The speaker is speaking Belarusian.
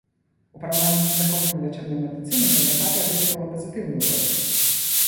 У параўнанні з недахопамі лячэбнай медыцыны гамеапатыя адыгрывала пазітыўную ролю.